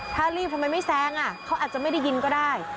ถ้ารีบทำไมไม่แซงเขาอาจจะไม่ได้ยินก็ได้